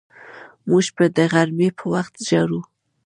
موږ به د غرمې په وخت ژاړو